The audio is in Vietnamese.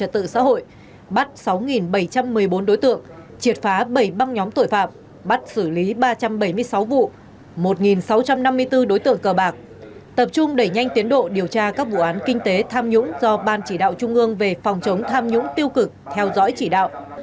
tập trung đẩy nhanh tiến độ điều tra các vụ án kinh tế tham nhũng do ban chỉ đạo trung ương về phòng chống tham nhũng tiêu cực theo dõi chỉ đạo